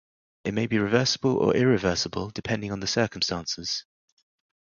It may be reversible or irreversible depending on the circumstances.